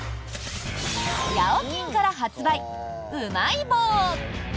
やおきんから発売うまい棒。